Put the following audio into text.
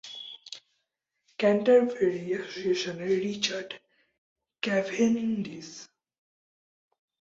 Canterbury অ্যাসোসিয়েশনের Richard Cavendish.